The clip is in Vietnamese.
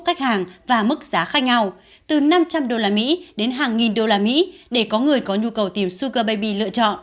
khách hàng và mức giá khác nhau từ năm trăm linh usd đến hàng nghìn usd để có người có nhu cầu tìm sugar baby lựa chọn